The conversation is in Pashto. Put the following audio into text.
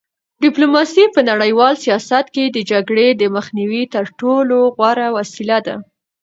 ډیپلوماسي په نړیوال سیاست کې د جګړې د مخنیوي تر ټولو غوره وسیله ده.